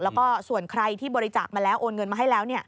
แล้วก็ส่วนใครที่บริจาคมาแล้วโอนเงินมาให้แล้ว